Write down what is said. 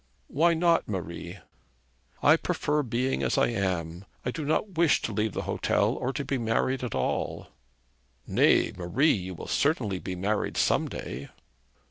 'Why not, Marie?' 'I prefer being as I am. I do not wish to leave the hotel, or to be married at all.' 'Nay, Marie, you will certainly be married some day.'